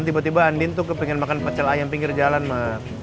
tiba tiba andin tuh pengen makan pecel ayam pinggir jalan mah